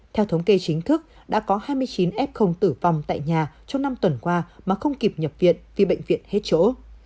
theo thống kê chính thức đã có hai mươi chín f tử vong tại nhà trong năm tuần qua mà không kịp nhập viện vì bệnh viện hết chỗ